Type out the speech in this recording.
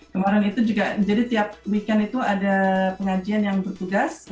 kemarin itu juga jadi tiap weekend itu ada pengajian yang bertugas